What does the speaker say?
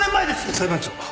裁判長。